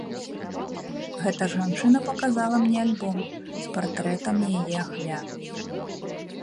Гэта жанчына паказала мне альбом з партрэтамі яе ахвяр.